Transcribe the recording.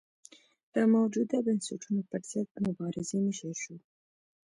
د موجوده بنسټونو پرضد مبارزې مشر شو.